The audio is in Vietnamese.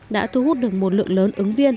đã thu hút được một lượng lớn ứng viên